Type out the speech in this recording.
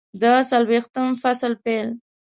د څلویښتم فصل پیل